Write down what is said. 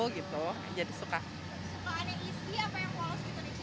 suka ada isi apa yang polos gitu nih cirengnya